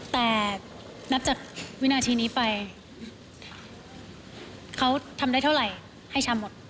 แต่นับจากวินาทีนี้ไปเขาทำได้เท่าไหร่ให้ชามหมด